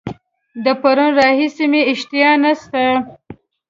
د پرون راهیسي مي اشتها نسته.